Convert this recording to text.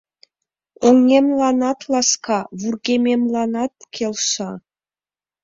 Оҥемланат ласка, вургемемланат келша.